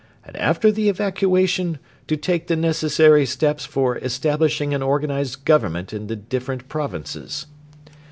and after the evacuation to take the necessary steps for establishing an organised Government in the different provinces.'